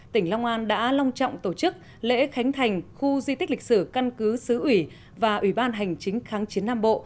tỉnh long an đã long trọng tổ chức lễ khánh thành khu di tích lịch sử căn cứ xứ ủy và ủy ban hành chính kháng chiến nam bộ